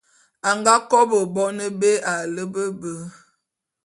A nga kobô bone bé a lepe be.